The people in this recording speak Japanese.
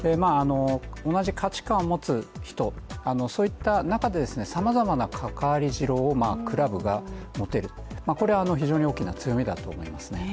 同じ価値観を持つ人、そういった中でさまざまな関わりじろをクラブが持てる、これは非常に大きな強みだと思いますね。